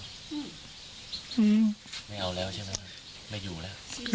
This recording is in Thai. ไม่เอาแล้วใช่ไหมครับไม่อยู่แล้ว